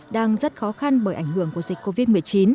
đang rất khó khăn bởi ảnh hưởng của dịch covid một mươi chín